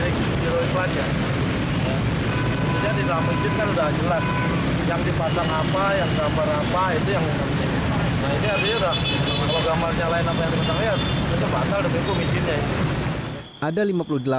nah ini artinya sudah kalau gambarnya lain apa yang dipasang ya kecepatan lebih kumisiknya